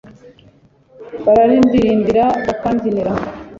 Bararirimbira bakabyinira